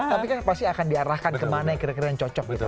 tapi kan pasti akan diarahkan kemana yang kira kira yang cocok gitu